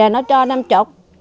nó cho năm chục